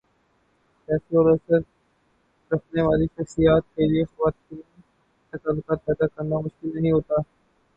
پیسے اور اثر رکھنے والی شخصیات کیلئے خواتین سے تعلقات پیدا کرنا مشکل نہیں ہوتا۔